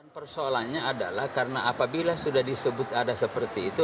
persoalannya adalah karena apabila sudah disebut aliran dana